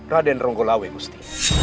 raden ronggolawe gusti